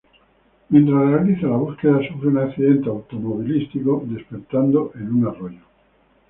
Mientras realiza la búsqueda, sufre un accidente automovilístico despertando en un arroyo.